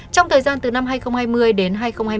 trong thời gian từ năm hai nghìn hai mươi đến hai nghìn hai mươi